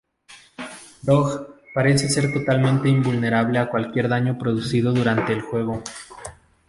Dog parece ser totalmente invulnerable a cualquier daño producido durante el juego.